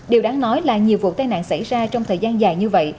điều đáng nói là nhiều vụ tai nạn xảy ra trong thời gian dài như vậy